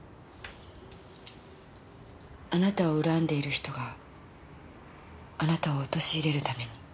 あなたを恨んでいる人があなたを陥れるために。